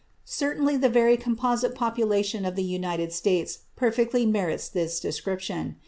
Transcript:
Certainly the very composite population of the United States perfectly merits this description.